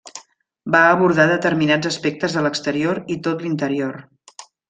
Va abordar determinats aspectes de l’exterior i tot l’interior.